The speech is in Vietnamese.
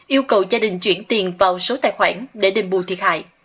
yêu cầu gia đình chuyển tiền vào số tài khoản để đền bù thiệt hại